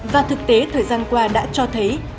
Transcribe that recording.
và thực tế thời gian qua đã cho thấy